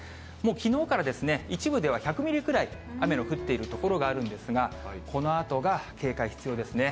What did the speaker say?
きのうから一部では１００ミリぐらい、雨の降っている所があるんですが、このあとが警戒必要ですね。